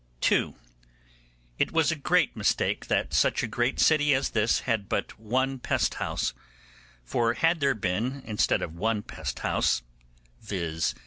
(2) It was a great mistake that such a great city as this had but one pest house; for had there been, instead of one pest house—viz.